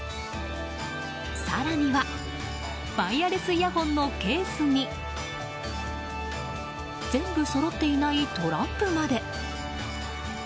更にはワイヤレスイヤホンのケースに全部そろっていないトランプまで。